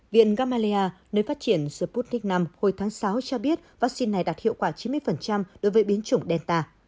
viện gamaleya nơi phát triển sputnik v hồi tháng sáu cho biết vaccine này đạt hiệu quả chín mươi đối với biến chủng delta